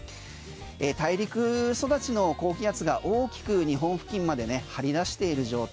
大陸育ちの高気圧が大きく日本付近まで張り出している状態。